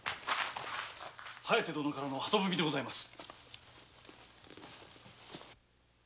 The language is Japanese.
疾風殿からの鳩文でございます。